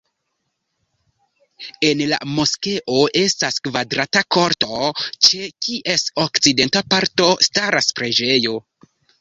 En la moskeo estas kvadrata korto, ĉe kies okcidenta parto staras preĝejo.